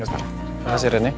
makasih ren ya